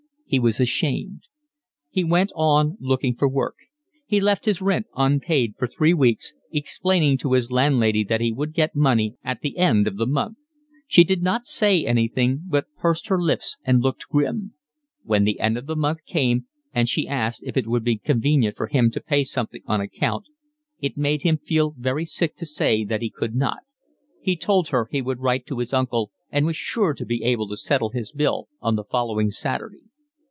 He was ashamed. He went on looking for work. He left his rent unpaid for three weeks, explaining to his landlady that he would get money at the end of the month; she did not say anything, but pursed her lips and looked grim. When the end of the month came and she asked if it would be convenient for him to pay something on account, it made him feel very sick to say that he could not; he told her he would write to his uncle and was sure to be able to settle his bill on the following Saturday.